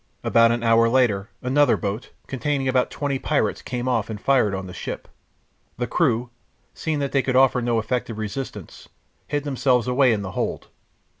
About an hour later another boat, containing about twenty pirates, came off and fired on the ship. The crew, seeing that they could offer no effective resistance, hid themselves away in the hold.